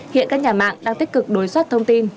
hiện các nhà mạng đang tích cực đối soát thông tin